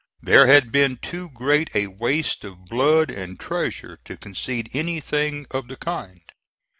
There had been too great a waste of blood and treasure to concede anything of the kind.